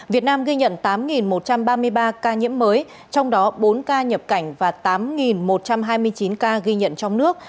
việt nam ghi nhận tám một trăm ba mươi ba ca nhiễm mới trong đó bốn ca nhập cảnh và tám một trăm hai mươi chín ca ghi nhận trong nước